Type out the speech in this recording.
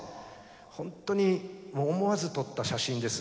ほんとにもう思わず撮った写真です。